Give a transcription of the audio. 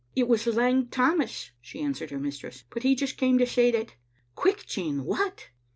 "It was Lang Tammas," she answered her mistress; " but he just came to say that " "Quick, Jean! what?"